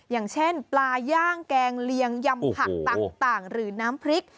อย่างเช่นปลาย่างแกงเลียงยำผักต่างหรือน้ำพริก